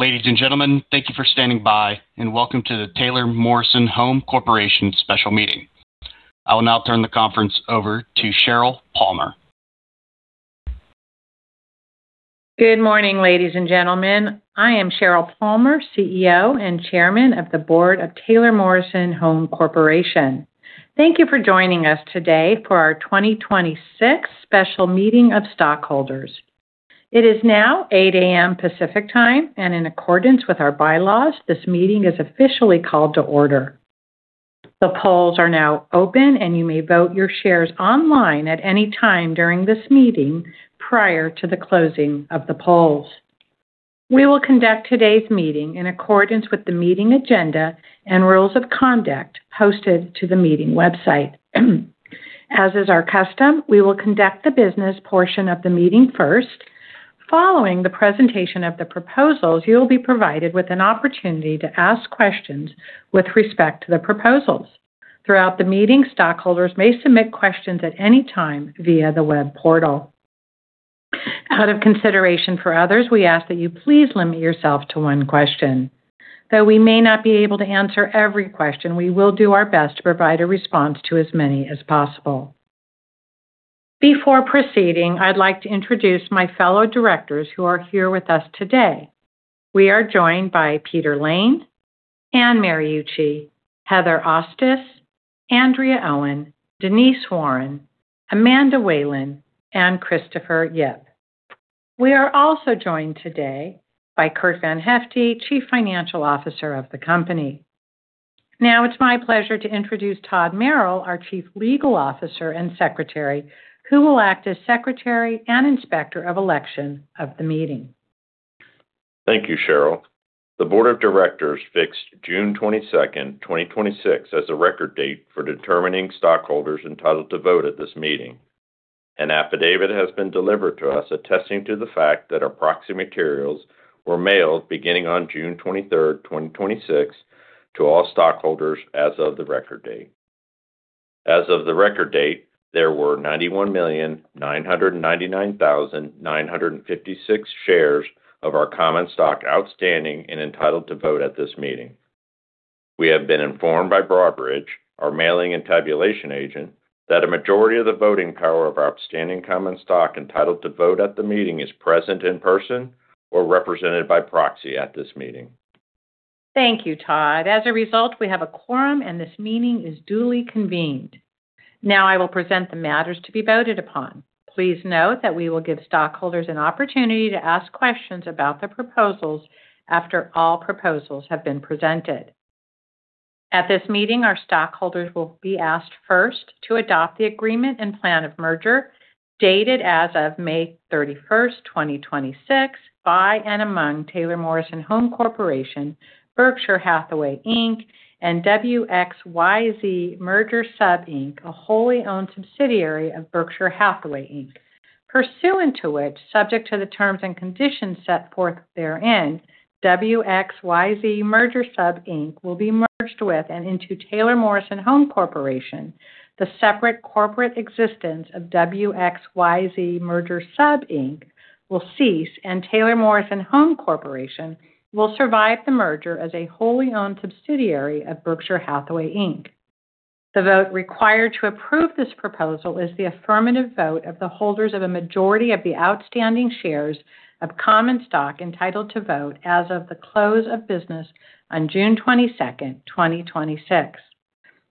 Ladies and gentlemen, thank you for standing by, and welcome to the Taylor Morrison Home Corporation special meeting. I will now turn the conference over to Sheryl Palmer. Good morning, ladies and gentlemen. I am Sheryl Palmer, CEO and Chairman of the Board of Taylor Morrison Home Corporation. Thank you for joining us today for our 2026 special meeting of stockholders. It is now 8:00 A.M. Pacific Time, in accordance with our bylaws, this meeting is officially called to order. The polls are now open, and you may vote your shares online at any time during this meeting prior to the closing of the polls. We will conduct today's meeting in accordance with the meeting agenda and rules of conduct posted to the meeting website. As is our custom, we will conduct the business portion of the meeting first. Following the presentation of the proposals, you will be provided with an opportunity to ask questions with respect to the proposals. Throughout the meeting, stockholders may submit questions at any time via the web portal. Out of consideration for others, we ask that you please limit yourself to one question. Though we may not be able to answer every question, we will do our best to provide a response to as many as possible. Before proceeding, I would like to introduce my fellow directors who are here with us today. We are joined by Peter Lane, Anne Mariucci, Heather Ostis, Andrea Owen, Denise Warren, Amanda Whalen, and Christopher Yip. We are also joined today by Curt VanHyfte, Chief Financial Officer of the company. Now it is my pleasure to introduce Todd Merrill, our Chief Legal Officer and Secretary, who will act as Secretary and Inspector of Election of the meeting. Thank you, Sheryl. The Board of directors fixed June 22nd, 2026 as the record date for determining stockholders entitled to vote at this meeting. An affidavit has been delivered to us attesting to the fact that our proxy materials were mailed beginning on June 23rd, 2026 to all stockholders as of the record date. As of the record date, there were 91,999,956 shares of our common stock outstanding and entitled to vote at this meeting. We have been informed by Broadridge, our mailing and tabulation agent, that a majority of the voting power of our outstanding common stock entitled to vote at the meeting is present in person or represented by proxy at this meeting. Thank you, Todd. I will present the matters to be voted upon. Please note that we will give stockholders an opportunity to ask questions about the proposals after all proposals have been presented. At this meeting, our stockholders will be asked first to adopt the agreement and plan of merger, dated as of May 31st, 2026 by and among Taylor Morrison Home Corporation, Berkshire Hathaway Inc., and WXYZ Merger Sub Inc., a wholly-owned subsidiary of Berkshire Hathaway Inc. Pursuant to which, subject to the terms and conditions set forth therein, WXYZ Merger Sub Inc. will be merged with and into Taylor Morrison Home Corporation. The separate corporate existence of WXYZ Merger Sub Inc. will cease, and Taylor Morrison Home Corporation will survive the merger as a wholly-owned subsidiary of Berkshire Hathaway Inc. The vote required to approve this proposal is the affirmative vote of the holders of a majority of the outstanding shares of common stock entitled to vote as of the close of business on June 22nd, 2026.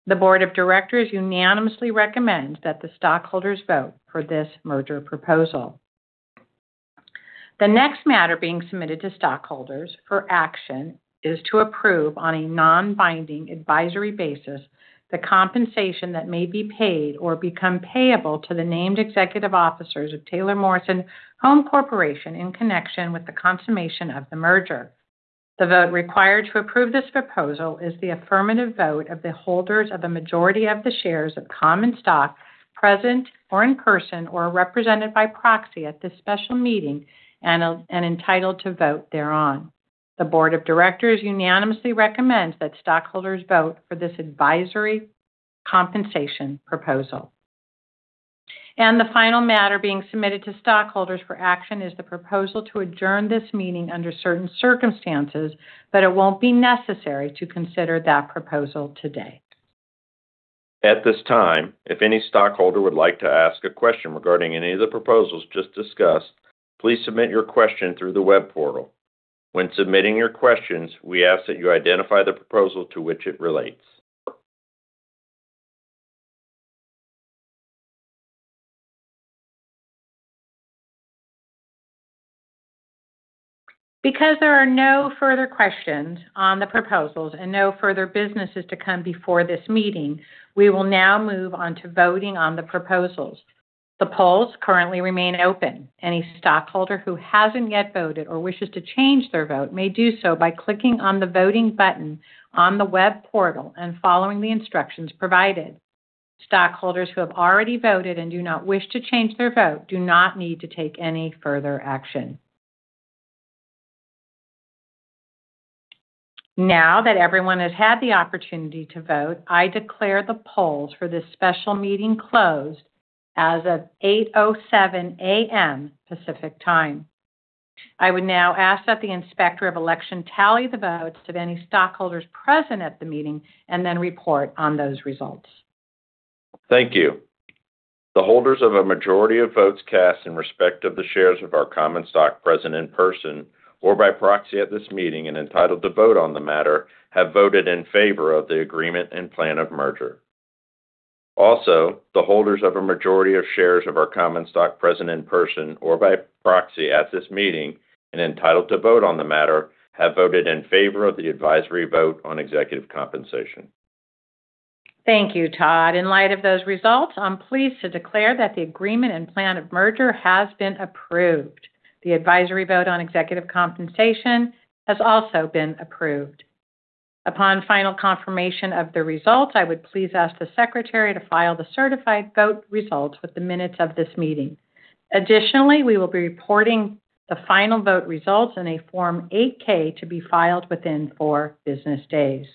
The Board of Directors unanimously recommends that the stockholders vote for this merger proposal. The next matter being submitted to stockholders for action is to approve on a non-binding advisory basis the compensation that may be paid or become payable to the named executive officers of Taylor Morrison Home Corporation in connection with the consummation of the merger. The vote required to approve this proposal is the affirmative vote of the holders of the majority of the shares of common stock present or in person or represented by proxy at this special meeting and entitled to vote thereon. The Board of Directors unanimously recommends that stockholders vote for this advisory compensation proposal. The final matter being submitted to stockholders for action is the proposal to adjourn this meeting under certain circumstances, but it won't be necessary to consider that proposal today. At this time, if any stockholder would like to ask a question regarding any of the proposals just discussed, please submit your question through the web portal. When submitting your questions, we ask that you identify the proposal to which it relates. Because there are no further questions on the proposals and no further businesses to come before this meeting, we will now move on to voting on the proposals. The polls currently remain open. Any stockholder who hasn't yet voted or wishes to change their vote may do so by clicking on the voting button on the web portal and following the instructions provided. Stockholders who have already voted and do not wish to change their vote do not need to take any further action. Now that everyone has had the opportunity to vote, I declare the polls for this special meeting closed as of 8:07 A.M. Pacific Time. I would now ask that the inspector of election tally the votes of any stockholders present at the meeting and then report on those results. Thank you. The holders of a majority of votes cast in respect of the shares of our common stock present in person or by proxy at this meeting and entitled to vote on the matter have voted in favor of the agreement and plan of merger. The holders of a majority of shares of our common stock present in person or by proxy at this meeting and entitled to vote on the matter have voted in favor of the advisory vote on executive compensation. Thank you, Todd. In light of those results, I'm pleased to declare that the agreement and plan of merger has been approved. The advisory vote on executive compensation has also been approved. Upon final confirmation of the results, I would please ask the Secretary to file the certified vote results with the minutes of this meeting. Additionally, we will be reporting the final vote results in a Form 8-K to be filed within four business days.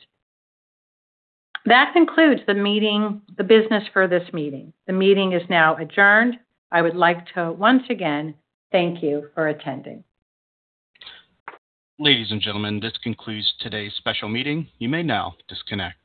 That concludes the business for this meeting. The meeting is now adjourned. I would like to once again thank you for attending. Ladies and gentlemen, this concludes today's special meeting. You may now disconnect.